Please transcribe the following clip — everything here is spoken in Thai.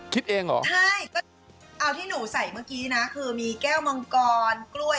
คิดเองเหรอใช่ก็เอาที่หนูใส่เมื่อกี้นะคือมีแก้วมังกรกล้วย